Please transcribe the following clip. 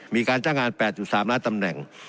มีการจ้างงาน๘๓ล้านตำแหน่ง